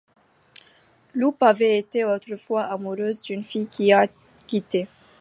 Loop avait été autrefois amoureux d'une fille qu'il a quitté.